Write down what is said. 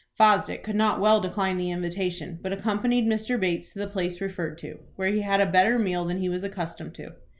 Fosdick could not well decline the invitation, but accompanied Mr. Bates to the place referred to, where he had a better meal than he was accustomed to.